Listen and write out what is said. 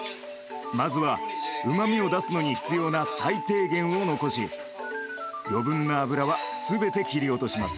まずはうまみを出すのに必要な最低限を残し余分な脂は全て切り落とします。